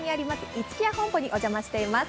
五木屋本舗にお邪魔しています。